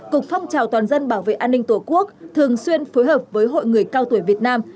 cục phong trào toàn dân bảo vệ an ninh tổ quốc thường xuyên phối hợp với hội người cao tuổi việt nam